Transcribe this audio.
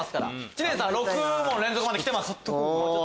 知念さん６問連続まできてます。